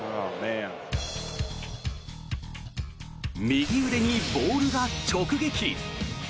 右腕にボールが直撃。